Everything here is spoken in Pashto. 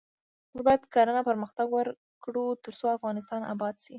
موږ باید کرنه پرمختګ ورکړو ، ترڅو افغانستان اباد شي.